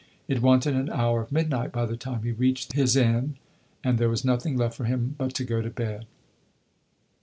It wanted an hour of midnight by the time he reached his inn, and there was nothing left for him but to go to bed.